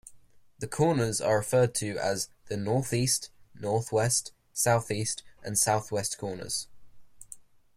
The corners are referred to as the North-East, North-West, South-East and South-West corners.